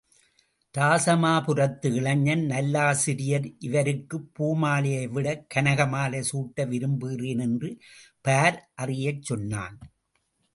இராசமாபுரத்து இளைஞன் நல்லாசிரியர் இவருக்குப் பூமாலையை விடக் கனகமாலை சூட்ட விரும்புகிறேன் என்று பார் அறியச் சொன்னான்.